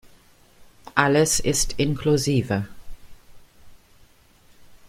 Alles ist inklusive.